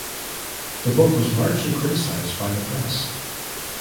The book was largely criticized by the press.